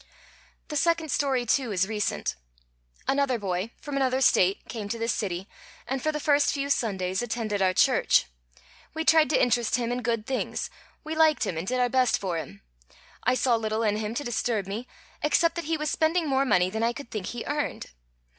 "The second story, too, is recent. Another boy, from another State, came to this city, and for the first few Sundays attended our church. We tried to interest him in good things; we liked him, and did our best for him. I saw little in him to disturb me, except that he was spending more money than I could think he earned.